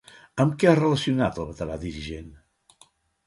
Amb què ha relacionat el veterà dirigent?